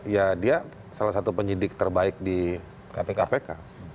ya dia salah satu penyidik terbaik di kpk